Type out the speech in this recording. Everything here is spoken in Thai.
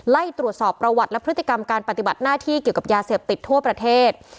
ไล่ตรวจสอบประวัติและพฤติกรรมการปฏิบัติหน้าที่เกี่ยวกับยาเสพติดทั่วประเทศ